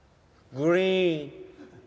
．．．「グリーン」？